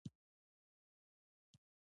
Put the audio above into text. مشتری د ښه چلند په بدل کې وفادار پاتې کېږي.